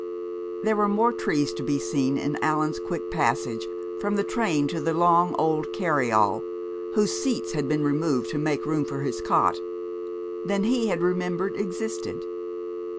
There were more trees to be seen in Allan's quick passage from the train to the long old carryall (whose seats had been removed to make room for his cot) than he had remembered existed.